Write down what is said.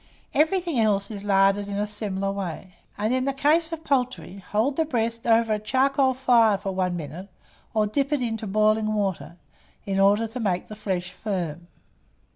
Everything else is larded in a similar way; and, in the case of poultry, hold the breast over a charcoal fire for one minute, or dip it into boiling water, in order to make the flesh firm."